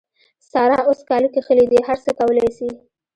سارا اوس کالي کښلي دي؛ هر څه کولای سي.